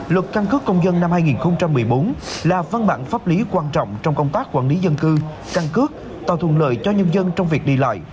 luật căn cước công dân năm hai nghìn một mươi bốn là văn bản pháp lý quan trọng trong công tác quản lý dân cư căn cước tạo thuận lợi cho nhân dân trong việc đi lại